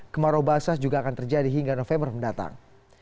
kemarobasas juga akan terjadi hingga november mendatang